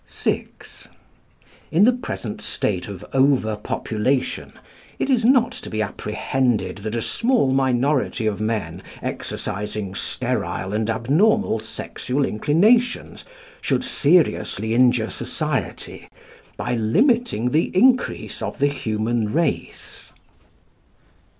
VI. In the present state of over population, it is not to be apprehended that a small minority of men exercising sterile and abnormal sexual inclinations should seriously injure society by limiting the increase of the human race.